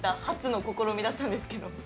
初の試みだったんですけど。